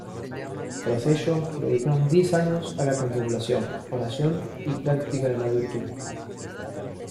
Tras ello, dedicaron diez años a la contemplación, oración y práctica de la virtud.